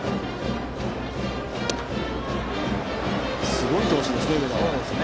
すごい投手ですよね、上田。